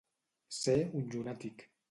Ser un llunàtic.